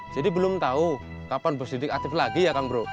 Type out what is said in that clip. jadi belum tau kapan bos didik aktif lagi ya kang bro